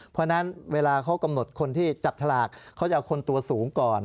เพราะฉะนั้นเวลาเขากำหนดคนที่จับฉลากเขาจะเอาคนตัวสูงก่อน